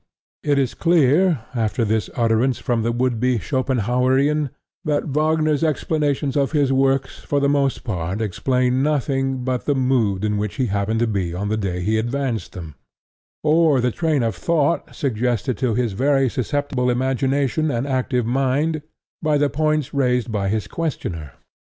It is clear after this utterance from the would be Schopenhaurian, that Wagner's explanations of his works for the most part explain nothing but the mood in which he happened to be on the day he advanced them, or the train of thought suggested to his very susceptible imagination and active mind by the points raised by his questioner.